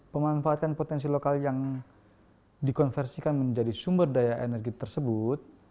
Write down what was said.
pemanfaatan potensi lokal yang dikonversikan menjadi sumber daya energi tersebut